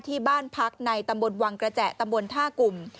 ที่บ้านพักในตำบลวังกระแจตำบลท่ากลุ่ม